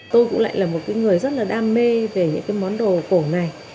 tôi cũng lại là một người rất là đam mê về những món đồ cổ này